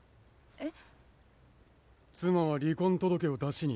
えっ。